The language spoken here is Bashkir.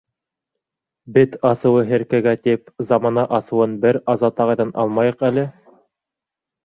- Бет асыуы һеркәгә тип, замана асыуын бер Азат ағайҙан алмайыҡ әле.